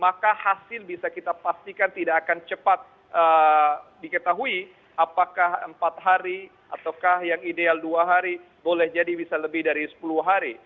maka hasil bisa kita pastikan tidak akan cepat diketahui apakah empat hari ataukah yang ideal dua hari boleh jadi bisa lebih dari sepuluh hari